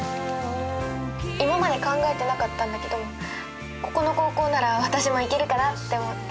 今まで考えてなかったんだけどここの高校なら私も行けるかなって思って。